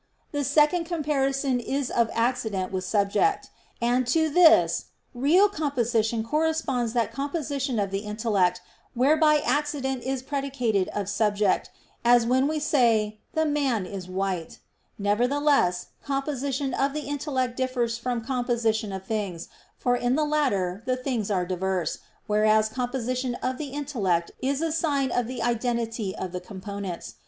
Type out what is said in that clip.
The second comparison is of accident with subject: and to this real composition corresponds that composition of the intellect, whereby accident is predicated of subject, as when we say "the man is white." Nevertheless composition of the intellect differs from composition of things; for in the latter the things are diverse, whereas composition of the intellect is a sign of the identity of the components.